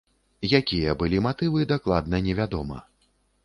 Якія былі матывы, дакладна невядома.